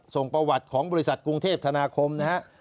ส่งประวัติของบริษัทกรุงเทพธนาคมนะฮะ